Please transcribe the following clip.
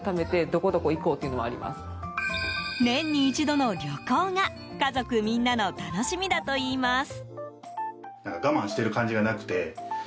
年に一度の旅行が家族みんなの楽しみだといいます。